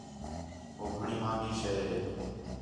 ہو گھݨیں ماہنڳی شے ہے